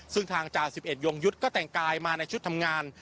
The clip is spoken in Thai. ซึ่งทางจ่าสิบเอกยงยุทธ์ก็แต่งกายมาในชุดทำงาน